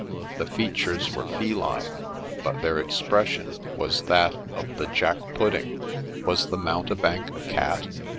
— the features were feline, but their expression was that of the Jack Pudding I Was the mountebank a cat